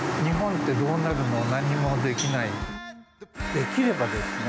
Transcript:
できればですね